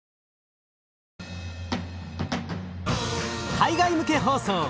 海外向け放送